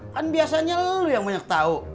kan biasanya lu yang banyak tahu